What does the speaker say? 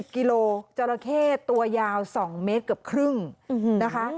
กิโลจราเข้ตัวยาว๒เมตรเกือบครึ่งนะคะ